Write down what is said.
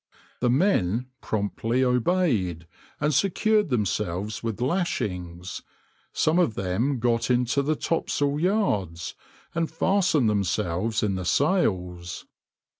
The men promptly obeyed, and secured themselves with lashings; some of them got into the topsail yards, and fastened themselves in the sails.